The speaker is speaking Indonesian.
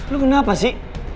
lu kenapa sih